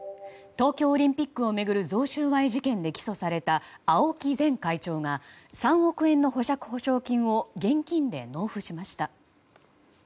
東京オリンピックを巡る贈収賄事件で起訴されたＡＯＫＩ前会長が３億円の保釈保証金を現金で納付しました。